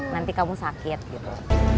nanti kamu sakit gitu